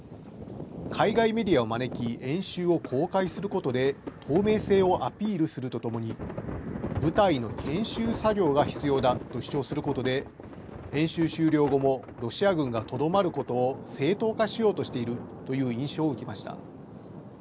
海外メディアを招き、演習を公開することで、透明性をアピールするとともに、部隊の検証作業が必要だとすることで、演習終了後もロシア軍がとどまることを正当化しようとしているという印象を受けました。